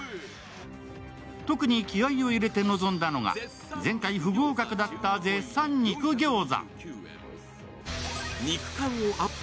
特に気合いを入れて臨んだのが前回不合格だった絶賛肉餃子